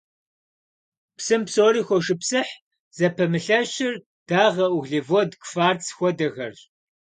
Псым псори хошыпсыхь, зыпэмылъэщыр дагъэ, углевод, кварц хуэдэхэрщ.